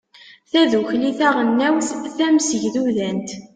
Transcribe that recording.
tadukli taɣelnawt tamsegdudant